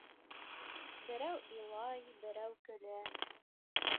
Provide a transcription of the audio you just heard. Берәү илай, берәү көлә.